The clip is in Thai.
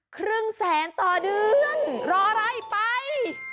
ครึ่งแสนต่อเดือนรออะไรไป